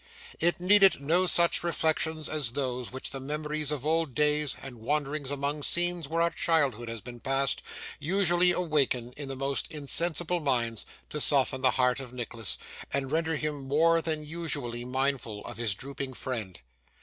It needed no such reflections as those which the memory of old days, and wanderings among scenes where our childhood has been passed, usually awaken in the most insensible minds, to soften the heart of Nicholas, and render him more than usually mindful of his drooping friend.